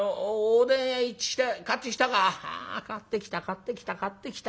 「ああ買ってきた買ってきた買ってきた。